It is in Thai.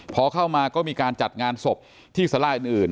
พอเข้ามาก็มีการจัดงานศพที่สลายอื่น